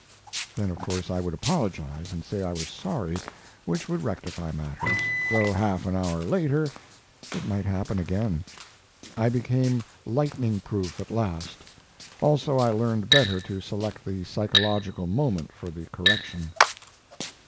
Then, of course, I would apologize and say I was sorry, which would rectify matters, though half an hour later it might happen again. I became lightning proof at last; also I learned better to select the psychological moment for the correction.